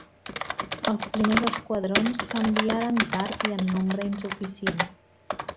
Els primers esquadrons s'enviaren tard i en nombre insuficient.